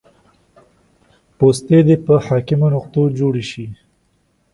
پوستې دې په حاکمو نقطو جوړې شي